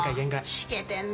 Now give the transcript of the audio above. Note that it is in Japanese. しけてんな。